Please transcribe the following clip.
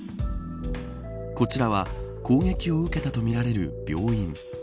こちらは攻撃を受けたとみられる病院。